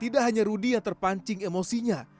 tidak hanya rudy yang terpancing emosinya